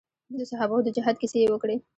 د صحابه وو د جهاد کيسې يې وکړې.